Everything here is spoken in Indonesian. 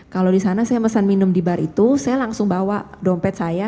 kalau di sana saya mesan minum di bar itu saya langsung bawa dompet saya